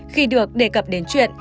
khi được đề cập đến chuyện